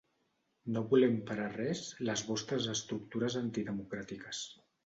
No volem per a res les vostres estructures antidemocràtiques.